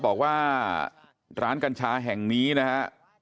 บอกว่าร้านกัญชาแห่งนี้นะฮะ